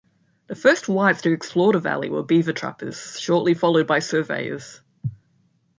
The first whites to explore the valley were beaver trappers, shortly followed by surveyors.